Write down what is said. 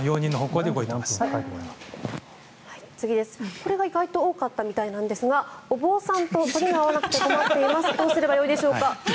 これは意外と多かったみたいなんですがお坊さんとそりが合わなくて困っていますどうすればよいでしょうか。